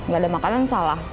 gak ada makanan salah